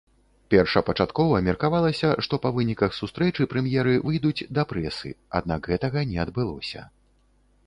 Першапачаткова меркавалася, што па выніках сустрэчы прэм'еры выйдуць да прэсы, аднак гэтага не адбылося.